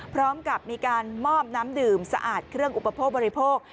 พร้อมกับมีการมอบน้ำดื่มสะอาดเครื่องอุปโภคบริโภค